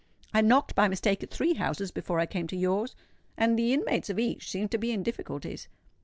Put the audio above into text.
"I knocked by mistake at three houses before I came to yours, and the inmates of each seemed to be in difficulties."